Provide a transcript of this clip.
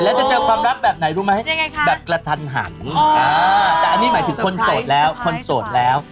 แล้วจะเจอความรักแบบไหนรู้ไหมแบบกระทันหันแต่อันนี้หมายถึงคนโสดแล้วคนโสดแล้ว